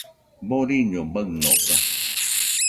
Boriño baɨnoka